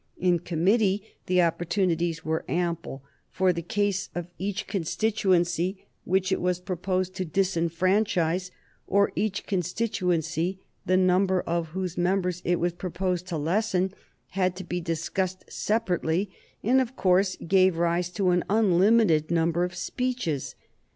In committee the opportunities were ample, for the case of each constituency which it was proposed to disfranchise, or each constituency the number of whose members it was proposed to lessen, had to be discussed separately, and, of course, gave rise to an unlimited number of speeches.